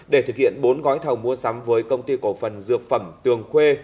để thực hiện bốn gói thầu mua sắm với công ty cổ phần dược phẩm tường khuê